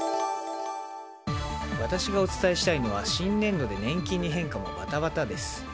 私がお伝えしたいのは新年度で年金に変化もばたばたです。